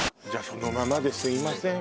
そのままですいません